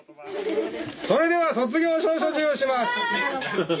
それでは卒業証書授与します。